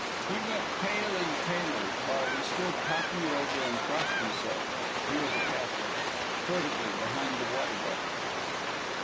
He went pale and paler while we stood talking it over, and crossed himself he was a Catholic furtively behind the water butt.